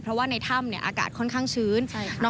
เพราะว่าในถ้ำอากาศค่อนข้างชื้น